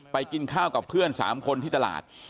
กินข้าวกับเพื่อน๓คนที่ตลาด